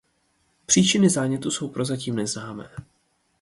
Příčiny zánětu jsou prozatím neznámé.